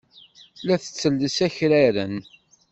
La tettelles akraren.